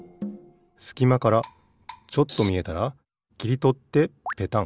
すきまからちょっとみえたらきりとってペタン。